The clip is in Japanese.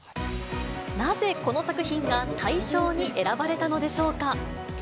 なぜこの作品が大賞に選ばれたのでしょうか。